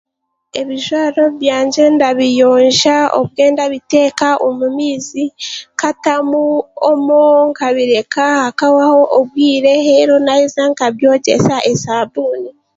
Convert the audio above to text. Ebijwaaro byange ndabiyoonja obwe ndabiteka omu maizi nkatamu omo nkabibika hakahwaho obwiire reero naheza nk'abyogyeesa esabuuni.